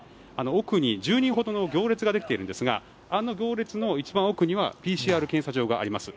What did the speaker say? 奥に１０人ほどの行列ができているんですがあの行列の一番奥にはＰＣＲ検査場があります。